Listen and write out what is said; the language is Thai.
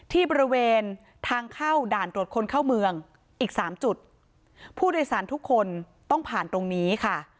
ที่บริเวณทางเข้าด่านตรวจคนเข้าเมืองอีกสามจุดผู้โดยสารทุกคนต้องผ่านตรงนี้ค่ะ